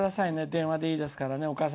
電話でいいですから。